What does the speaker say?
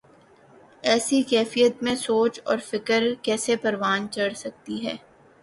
ایسی کیفیت میں سوچ اور فکر کیسے پروان چڑھ سکتی ہے۔